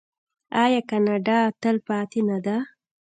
آیا کاناډا تلپاتې نه ده؟